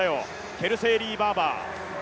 ケルセイリー・バーバー。